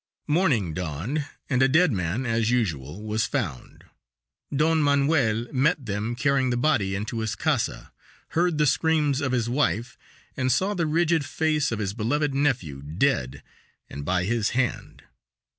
Morning dawned, and a dead man, as usual, was found. Don Manuel met them carrying the body into his casa, heard the screams of his wife, and saw the rigid face of his beloved nephew, dead, and by his hand!